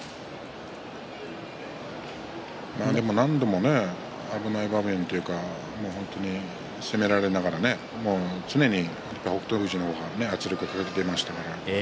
何度も危ない場面というか攻められながら常に北勝富士が圧力をかけていました